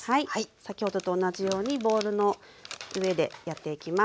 先ほどと同じようにボウルの上でやっていきます。